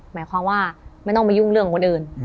หมายความว่าไม่ต้องมายุ่งเรื่องคนอื่น